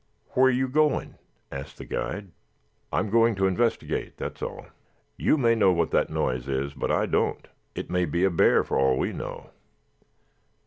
"Where are you going?" asked the guide. "I am going to investigate, that's all. You may know what that noise is, but I don't. It may be a bear for all we know."